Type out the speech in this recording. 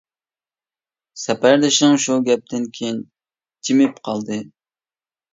سەپەردىشىڭ شۇ گەپتىن كىيىن جىمىپ قالدى.